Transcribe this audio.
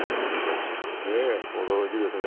驚きですね